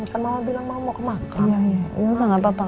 ya kan mama bilang mau ke makan